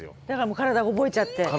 だからもう体が覚えちゃって。